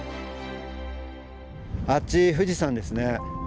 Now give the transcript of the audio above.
あっち富士山ですね。